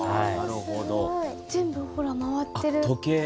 全部ほら回ってる。